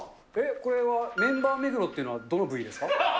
これは、メンバー目黒というのはどの部位ですか？